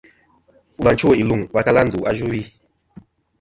Và chwo iluŋ va tala ndu a yvɨwi.